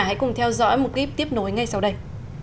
hãy cùng theo dõi một clip tiếp nối ngay sau đây